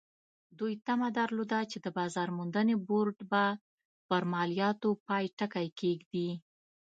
دوی تمه درلوده چې د بازار موندنې بورډ به پر مالیاتو پای ټکی کېږدي.